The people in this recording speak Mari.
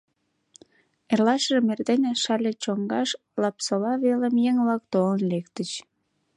Эрлашыжым эрдене Шале чоҥгаш Лапсола велым еҥ-влак толын лектыч.